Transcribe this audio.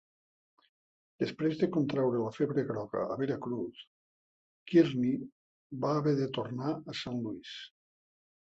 Després de contraure la febre groga a Veracruz, Kearny va haver de tornar a Saint Louis.